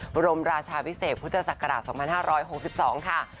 บรมราชาพิเศษพุทธศักราช๒๕๖๒ค่ะ